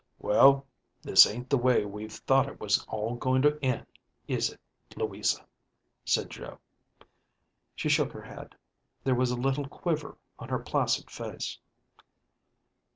ďWell, this ain't the way we've thought it was all going to end, is it, Louisa?" said Joe. She shook her head. There was a little quiver on her placid face.